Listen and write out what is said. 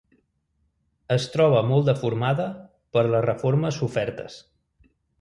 Es troba molt deformada per les reformes sofertes.